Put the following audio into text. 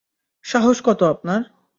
সাহস কত আপনার?